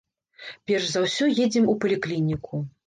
Перш за ўсё едзем у паліклініку.